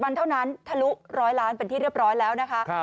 วันเท่านั้นทะลุร้อยล้านเป็นที่เรียบร้อยแล้วนะคะ